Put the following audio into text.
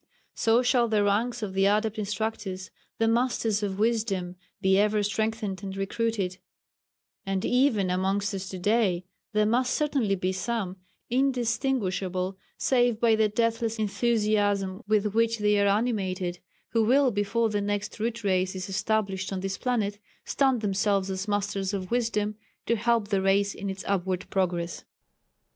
So shall the ranks of the Adept instructors the Masters of Wisdom be ever strengthened and recruited, and even amongst us to day there must certainly be some, indistinguishable save by the deathless enthusiasm with which they are animated, who will, before the next Root Race is established on this planet, stand themselves as Masters of Wisdom to help the race in its upward progress.